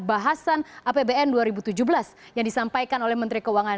bahasan apbn dua ribu tujuh belas yang disampaikan oleh menteri keuangan